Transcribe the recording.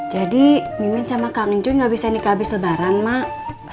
jadi mimin sama kang ucuy gak bisa nikah abis lebaran mak